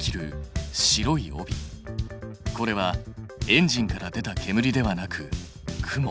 これはエンジンから出たけむりではなく雲。